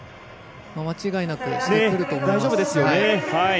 間違いなくしてくると思います。